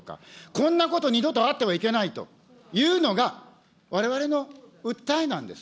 こんなこと二度とあってはいけないというのが、われわれの訴えなんです。